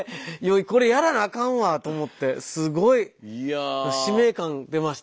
「これやらなあかんわ」と思ってすごい使命感出ました